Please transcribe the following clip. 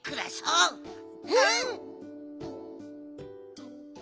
うん！